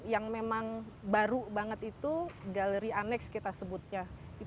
yang memang baru banget itu galeri aneks kita sebutnya